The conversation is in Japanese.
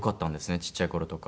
ちっちゃい頃とか。